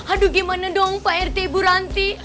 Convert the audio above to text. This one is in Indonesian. aduh gimana dong pak rt bu ranti